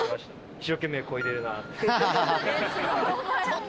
一生懸命こいでるなって。